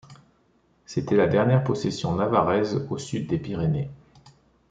C'était la dernière possession navarraise au sud des Pyrénées.